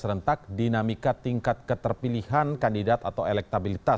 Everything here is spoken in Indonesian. untuk melihat prospek pemenang pilkada ibu kota